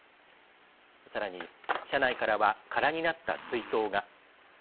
さらに、車内からは空になった水筒が。